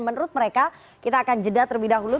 menurut mereka kita akan jeda terlebih dahulu